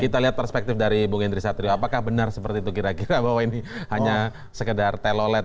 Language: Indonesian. kita lihat perspektif dari bung hendry satrio apakah benar seperti itu kira kira bahwa ini hanya sekedar telolet